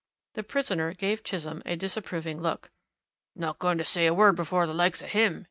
The prisoner gave Chisholm a disapproving look. "Not going to say a word before the likes of him!"